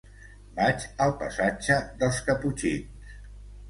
Vaig al passatge dels Caputxins.